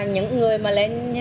những người mà lên